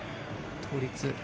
倒立。